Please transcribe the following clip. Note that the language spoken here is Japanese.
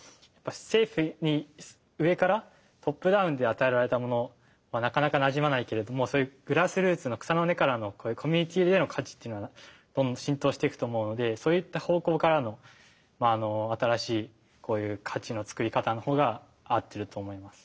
政府に上からトップダウンで与えられたものはなかなかなじまないけれどもそういうグラスルーツの草の根からのコミュニティーでの価値っていうのは浸透していくと思うのでそういった方向からの新しいこういう価値のつくり方の方が合ってると思います。